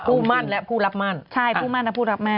ผู้มั่นและผู้รับมั่นใช่ผู้มั่นและผู้รับแม่